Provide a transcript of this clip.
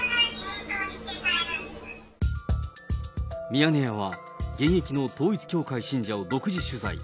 ミヤネ屋は、現役の統一教会信者を独自取材。